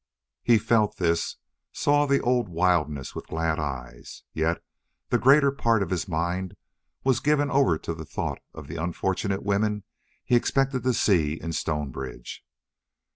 He felt this, saw the old wildness with glad eyes, yet the greater part of his mind was given over to the thought of the unfortunate women he expected to see in Stonebridge.